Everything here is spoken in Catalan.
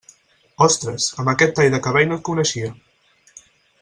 Ostres, amb aquest tall de cabell no et coneixia.